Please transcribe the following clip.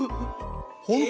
本当？